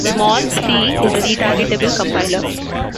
Small-C is a retargetable compiler.